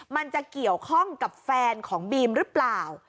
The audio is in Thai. มันจะเกี่ยวข้องกับแฟนของบีมหรือเปล่า